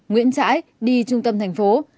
nguyễn trãi đi trung tâm thành phố